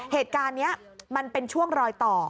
เหตุการณ์นี้มันเป็นช่วงรอยต่อ